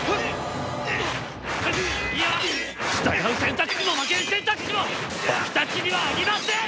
いや従う選択肢も負ける選択肢も僕たちにはありません！